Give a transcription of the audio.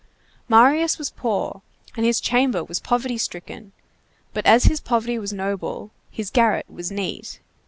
Marius was poor, and his chamber was poverty stricken, but as his poverty was noble, his garret was neat.